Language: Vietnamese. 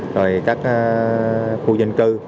rồi các khu dân cư